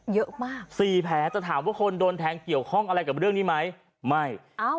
เยอะมากสี่แผลแต่ถามว่าคนโดนแทงเกี่ยวข้องอะไรกับเรื่องนี้ไหมไม่เอ้า